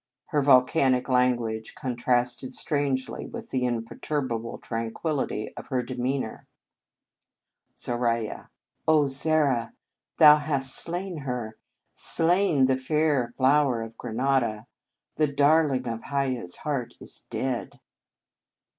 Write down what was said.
Her volcanic language contrasted strangely with the imper turbable tranquillity of her demean our. Zoralya. Oh ! Zara, thou hast slain her, slain the fair flower of Granada. The darling of Hiaya s heart is dead.